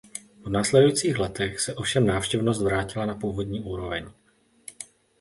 V následujících letech se ovšem návštěvnost vrátila na původní úroveň.